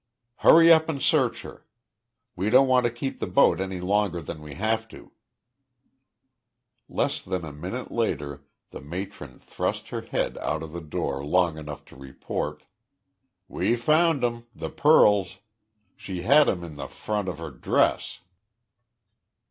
"Hurry up and search her! We don't want to keep the boat any longer than we have to." Less than a minute later the matron thrust her head out of the door long enough to report: "We found 'em the pearls. She had 'em in the front of her dress."